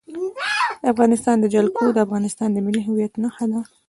د افغانستان جلکو د افغانستان د ملي هویت نښه ده.